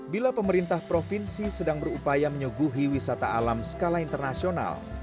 bila pemerintah provinsi sedang berupaya menyuguhi wisata alam skala internasional